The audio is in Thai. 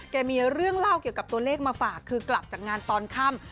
มีเรื่องเล่าเกี่ยวกับตัวเลขมาฝากคือกลับจากงานตอนค่ำ